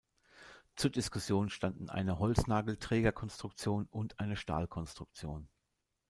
Zur Diskussion standen eine Holznagelträger-Konstruktion und eine Stahlkonstruktion.